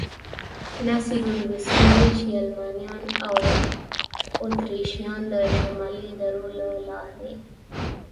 داسې ګنګوسې وې، چې المانیان او اتریشیان د شمالي درو له لارې.